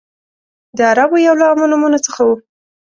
د عربو یو له عامو نومونو څخه و.